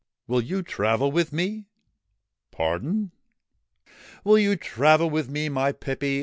' Will you travel with me ?' 'Pardon?' ' Will you travel with me, my pippy